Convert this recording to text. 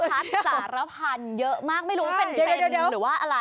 สารพันธุ์เยอะมากไม่รู้ว่าเป็นเครดิตหรือว่าอะไร